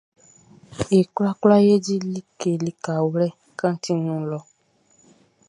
E kwlakwla e di like likawlɛ kantinʼn nun lɔ.